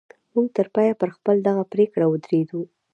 موږ تر پایه پر خپله دغه پرېکړه ودرېدو